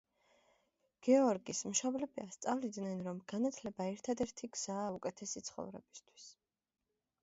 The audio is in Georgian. გეორგის მშობლები ასწავლიდნენ, რომ განათლება ერთადერთი გზაა უკეთესი ცხოვრებისთვის.